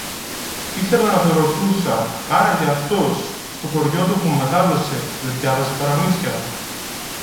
Ήθελα να τον ρωτούσα, άραγε αυτός, στο χωριό του όπου μεγάλωσε, δε διάβαζε παραμύθια;